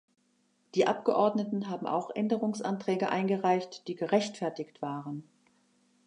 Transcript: Die Abgeordneten haben auch Änderungsanträge eingereicht, die gerechtfertigt waren.